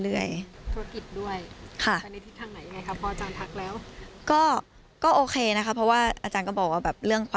หรือเราต้องหาวิธีการพฤษฐานให้มันโซม่ามากขึ้นนะค่ะ